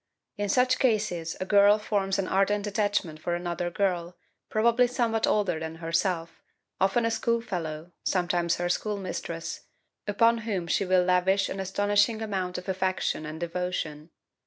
In such cases a girl forms an ardent attachment for another girl, probably somewhat older than herself, often a schoolfellow, sometimes her schoolmistress, upon whom she will lavish an astonishing amount of affection and devotion.